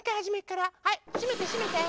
はいしめてしめて。